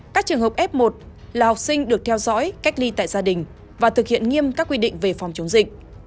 các trường hợp f một là học sinh được theo dõi cách ly tại gia đình và thực hiện nghiêm các quy định về phòng chống dịch